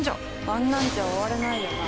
あんなんじゃ終われないよな